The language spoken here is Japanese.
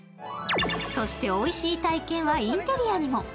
そして、おいしい体験はインテリアにも。